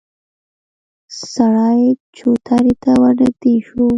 سړی چوترې ته ورنږدې شو.